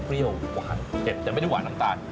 หวานเผ็ดแต่ไม่ได้หวานน้ำตาล